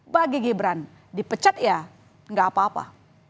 bagi gibran dipecat ya nggak apa apa